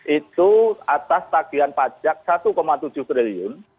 itu atas tagian pajak satu tujuh triliun